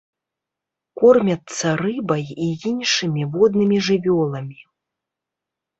Кормяцца рыбай і іншымі воднымі жывёламі.